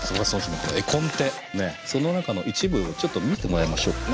その中の一部をちょっと見てもらいましょうかね。